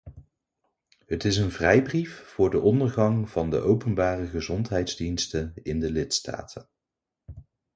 Het is een vrijbrief voor de ondergang van de openbare gezondheidsdiensten in de lidstaten.